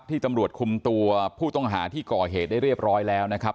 ตำรวจคุมตัวผู้ต้องหาที่ก่อเหตุได้เรียบร้อยแล้วนะครับ